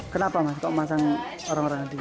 kenapa mas kok masang orang orang di sini